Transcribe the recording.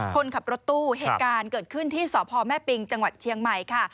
คนขับรถตู้เหตุการณ์เกิดขึ้นที่สพแม่ปิงจังหวัดเชียงใหม่ค่ะ